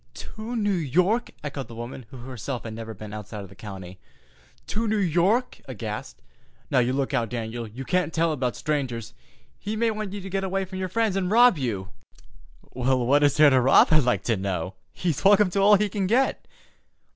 "To New York!" echoed the woman, who herself had never been outside of the county. "To New York!"—aghast. "Now, you look out, Dan'l. You can't tell 'bout strangers. He may want to get you way from your friends an' rob you." "What is there to rob, I'd like to know? He's welcome to all he can get."